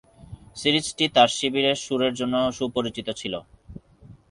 সিরিজটি তার শিবিরের সুরের জন্য সুপরিচিত ছিল।